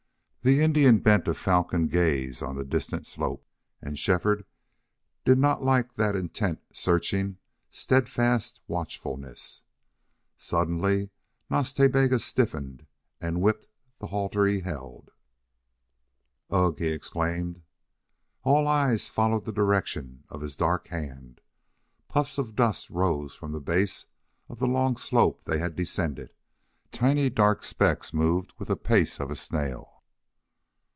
The Indian bent a falcon gaze on the distant slope, and Shefford did not like that intent, searching, steadfast watchfulness. Suddenly Nas Ta Bega stiffened and whipped the halter he held. "Ugh!" he exclaimed. All eyes followed the direction of his dark hand. Puffs of dust rose from the base of the long slope they had descended; tiny dark specks moved with the pace of a snail.